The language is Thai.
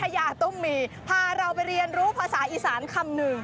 ยาตุ้มมีพาเราไปเรียนรู้ภาษาอีสานคำหนึ่ง